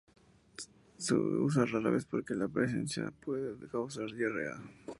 Se usa rara vez porque la presencia de puede causar diarrea.